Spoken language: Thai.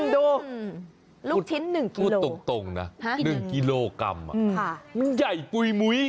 ดูลูกชิ้น๑ตัวพูดตรงนะ๑กิโลกรัมมันใหญ่ปุ๋ยมุ้ย